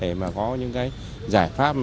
để có những giải pháp